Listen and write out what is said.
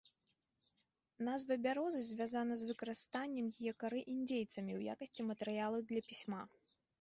Назва бярозы звязана з выкарыстаннем яе кары індзейцамі ў якасці матэрыялу для пісьма.